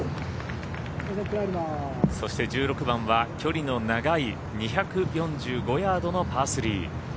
そして、１６番は距離の長い２４５ヤードのパー３。